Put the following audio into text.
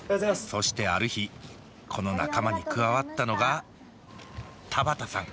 そしてある日この仲間に加わったのが田畑さん。